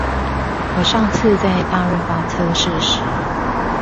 我上次在大潤發測試時